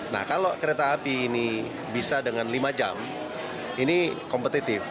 nah kalau kereta api ini bisa dengan lima jam ini kompetitif